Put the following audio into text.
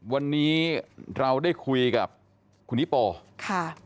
วันนี้เราได้คุยกับคุณฮิโปค่ะ